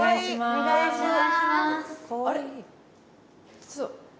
お願いします。